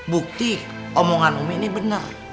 bukti omongan umi ini benar